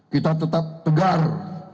kita tetap tegar